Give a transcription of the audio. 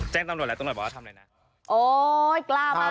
แจ้งตำรวจแล้วตำรวจบอกว่าทำอะไรนะ